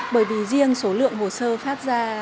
bởi vì riêng số lượng hồ sơ phát ra